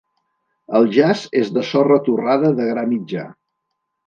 El jaç és de sorra torrada de gra mitjà.